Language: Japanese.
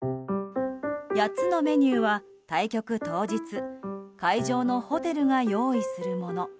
８つのメニューは対局当日会場のホテルが用意するもの。